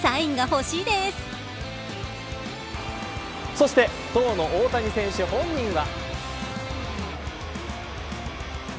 そして、当の大谷選手本人は。